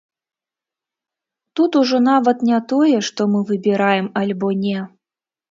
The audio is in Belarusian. Тут ужо нават не тое, што мы выбіраем альбо не.